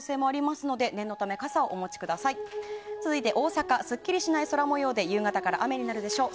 すっきりしない空模様で夕方から雨になるでしょう。